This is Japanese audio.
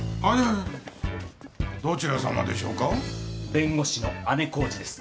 弁護士の姉小路です。